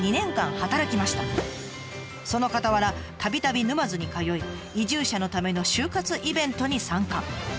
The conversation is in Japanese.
そのかたわらたびたび沼津に通い移住者のための就活イベントに参加。